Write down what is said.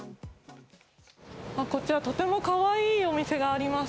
こちらとても可愛いお店があります。